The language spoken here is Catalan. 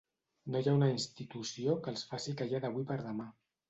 No hi ha una institució que els faci callar d’avui per demà.